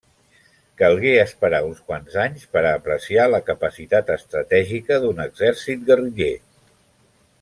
Calgué esperar uns quants anys per a apreciar la capacitat estratègica d'un exèrcit guerriller.